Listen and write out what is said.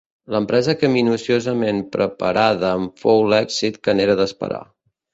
Empresa que minuciosament preparada en fou l'èxit que n'era d'esperar.